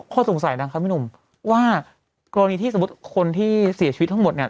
ข้อสงสัยดังครับพี่หนุ่มว่ากรณีที่สมมุติคนที่เสียชีวิตทั้งหมดเนี่ย